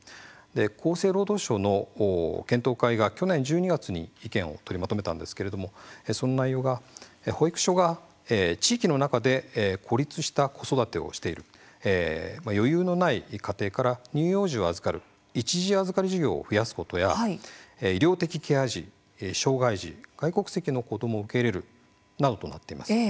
厚生労働省の検討会が去年１２月に、意見を取りまとめたんですけれどもその内容が、保育所が地域の中で孤立した子育てをしている余裕のない家庭から乳幼児を預かる一時預かり事業を増やすことや医療的ケア児、障害児外国籍の子どもを受け入れるなどとなっています。